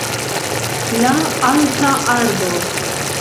La alta arbo